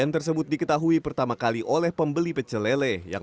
terus di belakang